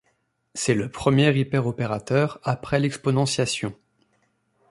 C'est le premier hyperopérateur après l'exponentiation.